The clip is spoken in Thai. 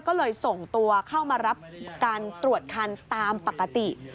ก็เลยส่งตัวเข้ามารับการตรวจคันตามปกติ